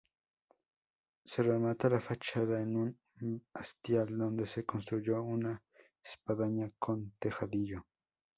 Se remata la fachada en un hastial donde se construyó una espadaña con tejadillo.